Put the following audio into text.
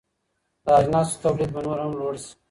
د اجناسو تولید به نور هم لوړ سي.